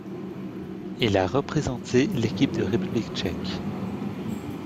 Il a représenté l'équipe de République tchèque.